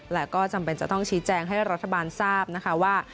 และก็จำเป็นจะต้องชี้แจงให้รัฐบาลทราบนะคะว่า